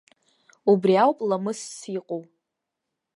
Убри ауп ламысс иҟоу.